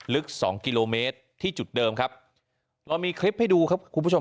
ลึกสองกิโลเมตรที่จุดเดิมครับเรามีคลิปให้ดูครับคุณผู้ชม